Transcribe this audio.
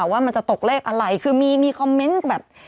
ว่ามันจะตกเลขอะไรคือมีคอมเมนต์แบบ